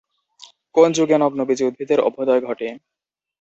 কোন যুগে নগ্নবীজী উদ্ভিদের অভ্যুদয় ঘটে?